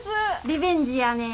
リベンジやねん。